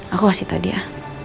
aku kasih tau dia